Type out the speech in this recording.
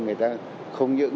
người ta không những